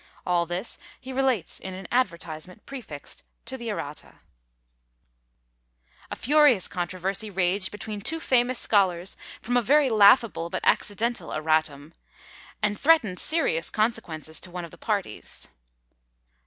All this he relates in an advertisement prefixed to the Errata. A furious controversy raged between two famous scholars from a very laughable but accidental Erratum, and threatened serious consequences to one of the parties.